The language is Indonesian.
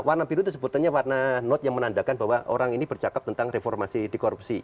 warna biru itu sebutannya warna note yang menandakan bahwa orang ini bercakap tentang reformasi di korupsi